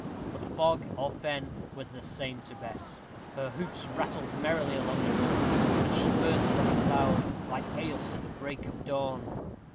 But fog or fen was the same to Bess; her hoofs rattled merrily along the road, and she burst from a cloud, like Eöus at the break of dawn.